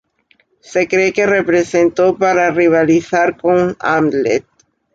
Se cree que se representó para rivalizar con "Hamlet".